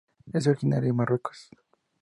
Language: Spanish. Es originario de Marruecos.